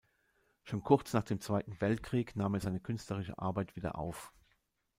Schon kurz nach dem Zweiten Weltkrieg nahm er seine künstlerische Arbeit wieder auf.